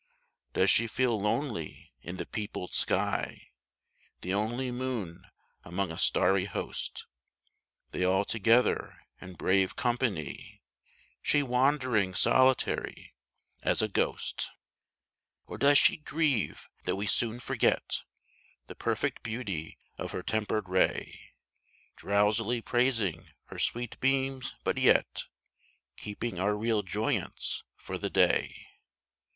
Does she feel lonely in the peopled sky, The only moon among a starry host ; They all together in brave company, She wandering solitary as a ghost ? 86 A DAY TIME MOON. Or does she grieve that we so soon forget The perfect beauty of her tempered ray, Drowsily praising her sweet beams, but yet Keeping our real joyance for the day